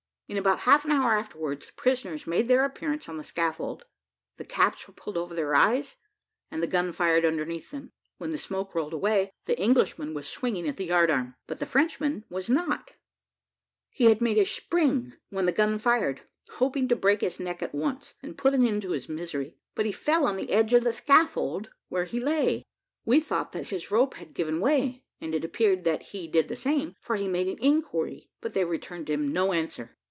In about half an hour afterwards the prisoners made their appearance on the scaffold, the caps were pulled over their eyes, and the gun fired underneath them. When the smoke rolled away, the Englishman was swinging at the yard arm, but the Frenchman was not; he had made a spring when the gun fired, hoping to break his neck at once, and put an end to his misery; but he fell on the edge of the scaffold, where he lay. We thought that his rope had given way, and it appeared that he did the same, for he made an inquiry, but they returned him no answer.